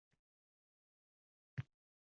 o`ylab ko`rgin, axir, eri ham, o`g`li ham